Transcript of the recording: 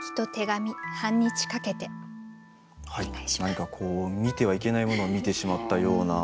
何かこう見てはいけないものを見てしまったような。